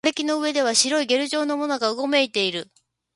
瓦礫の上では白いゲル状のものがうごめいている